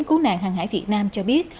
cú nạn hàng hải việt nam cho biết